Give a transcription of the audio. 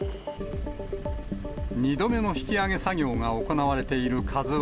２度目の引き揚げ作業が行われているＫＡＺＵＩ。